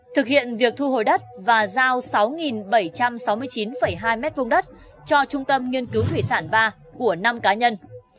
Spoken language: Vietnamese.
thực hiện việc thu hồi đất và giao sáu bảy trăm sáu mươi chín hai m hai đất cho trung tâm nghiên cứu thủy sản ba của năm cá nhân